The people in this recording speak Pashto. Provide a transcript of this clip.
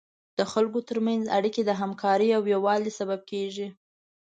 د خلکو تر منځ اړیکې د همکارۍ او یووالي سبب کیږي.